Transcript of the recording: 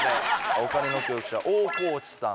お金の教育者大河内さん